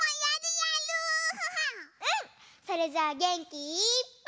それじゃあげんきいっぱい。